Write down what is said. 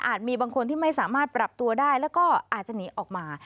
มีบางคนที่ไม่สามารถปรับตัวได้แล้วก็อาจจะหนีออกมา